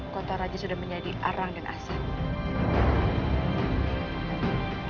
kota raja sudah menjadi arang dan asap